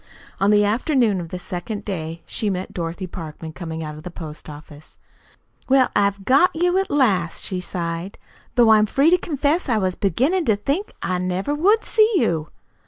On the afternoon of the second day she met Dorothy Parkman coming out of the post office. "Well, I've got you at last," she sighed, "though I'm free to confess I was beginnin' to think I never would see you."